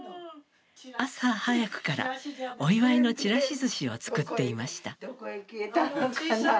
朝早くからお祝いのちらしずしを作っていました。